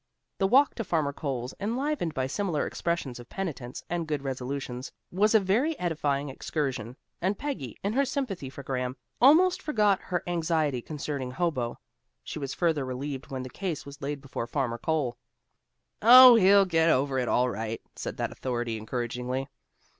The walk to Farmer Cole's, enlivened by similar expressions of penitence and good resolutions, was a very edifying excursion, and Peggy, in her sympathy for Graham, almost forgot her anxiety concerning Hobo. She was further relieved when the case was laid before Farmer Cole. "Oh, he'll get over it all right," said that authority encouragingly.